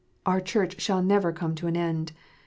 Our Church shall never come to an end.